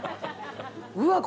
うわっ！